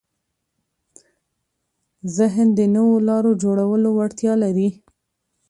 ذهن د نوو لارو جوړولو وړتیا لري.